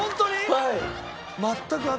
はい。